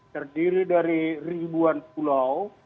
terdiri dari ribuan pulau